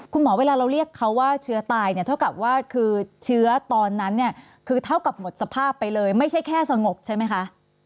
เวลาเราเรียกเขาว่าเชื้อตายเนี่ยเท่ากับว่าคือเชื้อตอนนั้นเนี่ยคือเท่ากับหมดสภาพไปเลยไม่ใช่แค่สงบใช่ไหมคะ